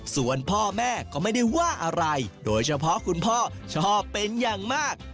ส่วนพ่อแม่ก็ไม่ได้ว่าอะไรโดยเฉพาะคุณพ่อชอบเป็นอย่างมาก